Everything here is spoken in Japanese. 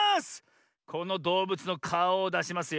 このどうぶつのかおをだしますよ。